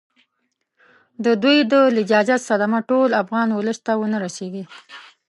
د دوی د لجاجت صدمه ټول افغان اولس ته ونه رسیږي.